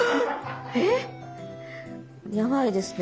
え⁉やばいですね。